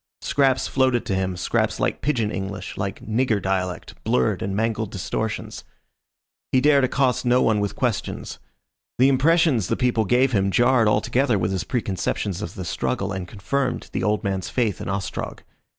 Scraps floated to him, scraps like Pigeon English, like "nigger" dialect, blurred and mangled distortions. He dared accost no one with questions. The impression the people gave him jarred altogether with his preconceptions of the struggle and confirmed the old man's faith in Ostrog.